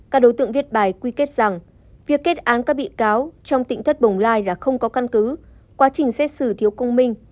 các đối tượng viết bài quy kết rằng việc kết án các bị cáo trong tỉnh thất bồng lai là không có căn cứ quá trình xét xử thiếu công minh